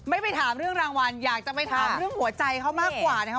ไม่ไปถามเรื่องรางวัลอยากจะไปถามเรื่องหัวใจเขามากกว่านะครับ